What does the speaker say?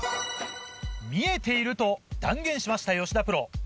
見えていると断言しました吉田プロ。